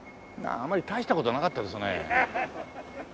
あんまり大した事なかったですね。